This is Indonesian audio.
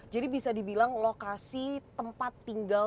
jadi bisa dibilang lokasi tempat tinggal